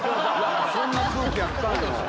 そんな空気あったんよ。